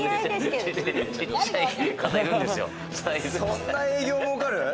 そんな営業もうかる？